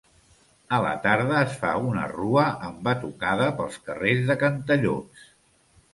A la tarda es fa una rua amb batucada pels carrers de Cantallops.